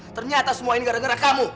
ternyata semua ini gara gara kamu